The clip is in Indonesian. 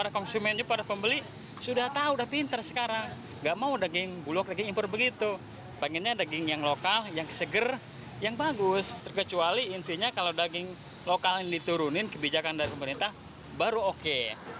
kalau daging lokal yang diturunin kebijakan dari pemerintah baru oke